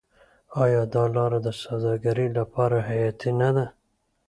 آیا دا لاره د سوداګرۍ لپاره حیاتي نه ده؟